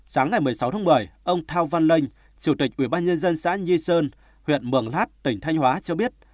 sáng ngày một mươi sáu tháng một mươi ông thao văn linh chủ tịch ủy ban nhân dân xã nhi sơn huyện mường lát tỉnh thanh hóa cho biết